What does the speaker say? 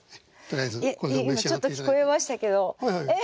今ちょっと聞こえましたけどえ